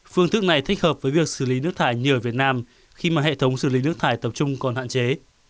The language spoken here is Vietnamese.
phương thức này thích hợp với việc xử lý nước thải nhựa ở việt nam khi mà hệ thống xử lý nước thải tập trung còn hạn chế